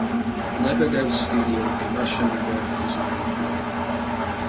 Lebedev Studio, a Russian web design firm.